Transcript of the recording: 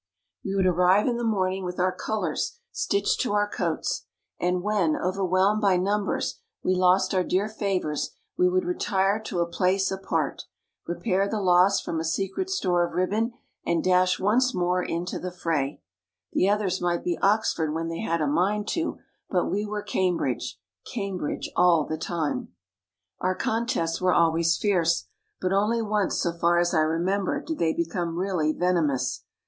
We would arrive OXFORD AND CAMBRIDGE 95 in the morning with our colours stitched to our coats, and when, overwhelmed by num bers, we lost our dear favours we would retire to a place apart, repair the loss from a secret store of ribbon, and dash once more into the fray. The others might be Oxford when they had a mind to, but we were Cambridge Cambridge all the time. Our contests were always fierce, but only once so far as I remember did they become really venomous.